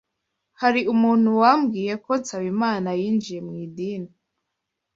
Hari umuntu wambwiye ko Nsabimana yinjiye mu idini.